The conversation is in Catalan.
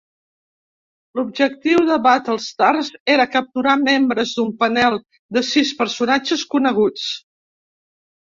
L'objectiu de "Battlestars" era "capturar" membres d'un panel de sis personatges coneguts.